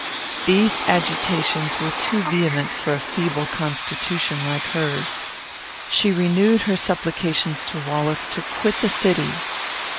These agitations were too vehement for a feeble constitution like hers. She renewed her supplications to Wallace to quit the city.